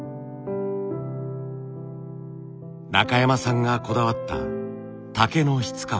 中山さんがこだわった竹の質感。